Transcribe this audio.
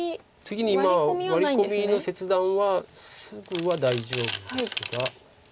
次にワリコミの切断はすぐは大丈夫ですが。